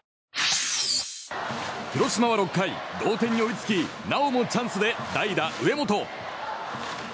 広島は６回同点に追いつきなおもチャンスで代打、上本。